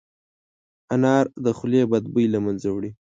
انار د خولې بد بوی له منځه وړي.